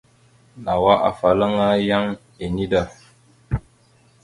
Nawa afalaŋa yaŋ enida.